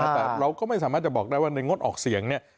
แต่เราก็ไม่สามารถจะบอกได้ว่าในงดออกเสียงเนี่ย